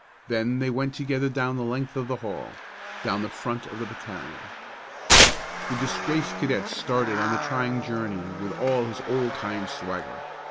Then they went together down the length of the hall, down the front of the battalion. The disgraced cadet started on the trying journey with all of his old time swagger.